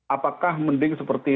apakah mending seperti